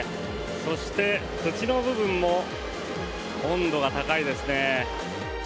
そして、土の部分も温度が高いですね。